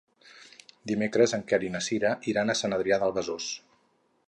Dimecres en Quer i na Sira iran a Sant Adrià de Besòs.